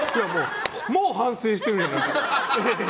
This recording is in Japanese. もう反省してるじゃん。